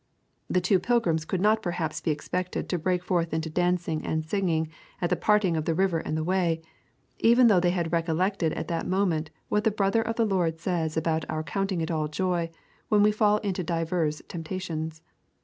The two pilgrims could not perhaps be expected to break forth into dancing and singing at the parting of the river and the way, even though they had recollected at that moment what the brother of the Lord says about our counting it all joy when we fall into divers temptations.